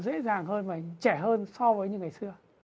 dễ dàng hơn và trẻ hơn so với như ngày xưa